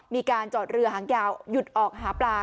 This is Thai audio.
มีการจอดเรือหางยาวหยุดออกหาปลา